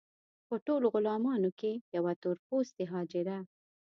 په ټولو غلامانو کې یوه تور پوستې حاجره.